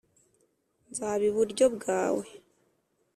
nzaba iburyo bwawe.